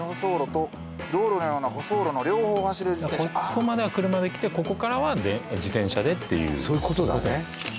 ここまでは車できてここからは自転車でっていうそういうことだね